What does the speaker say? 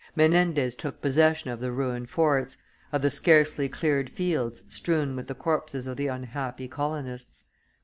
Menendez took possession of the ruined forts, of the scarcely cleared fields strewn with the corpses of the unhappy colonists.